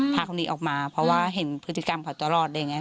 พาเขาหนีออกมาเพราะว่าเห็นพฤติกรรมเขาตลอดอะไรอย่างนี้